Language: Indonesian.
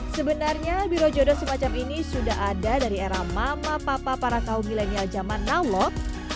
sebenarnya biro jodoh semacam ini sudah ada dari era mama papa para kaum milenial zaman now lho